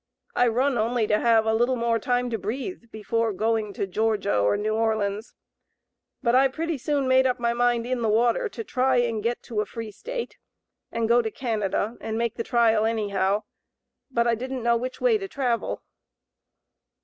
I run only to have little more time to breathe before going to Georgia or New Orleans; but I pretty soon made up my mind in the water to try and get to a free State, and go to Canada and make the trial anyhow, but I didn't know which way to travel."